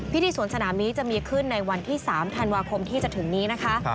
พิธีสวนสนามนี้จะมีขึ้นในวันที่๓ธันวาคมที่จะถึงนี้นะคะ